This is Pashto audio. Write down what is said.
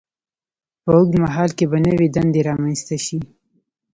په اوږد مهال کې به نوې دندې رامینځته شي.